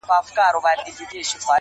ځان د مرګي غیږي ته مه ورکوی خپل په لاس،